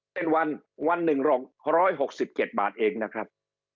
เป็นวันวันหนึ่งรอง๑๖๗บาทเองนะครับ